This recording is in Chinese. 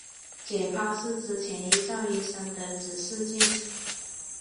解剖是之前依照医生的指示进行。